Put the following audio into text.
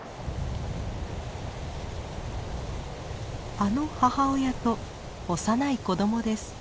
あの母親と幼い子どもです。